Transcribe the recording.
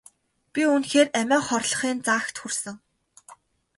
Би үнэхээр амиа хорлохын заагт хүрсэн.